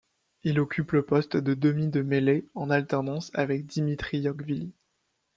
Il occupe le poste de demi de mêlée en alternance avec Dimitri Yachvili.